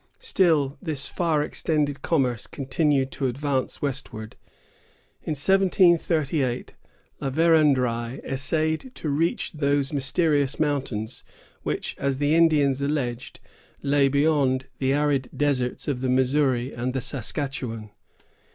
Still this far extended commerce continued to advance westward. In 1738, La Verandrye essayed to reach those mysterious mountains which, as the Indians alleged, lay beyond the arid deserts of the Missouri and the Saskatchawan.